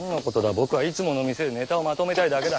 僕はいつもの店でネタをまとめたいだけだ。